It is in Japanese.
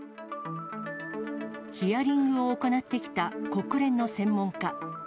ヒアリングを行ってきた国連の専門家。